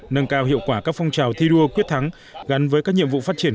nâng cao hiệu quả các phong trào thi đua quyết thắng gắn với các nhiệm vụ phát triển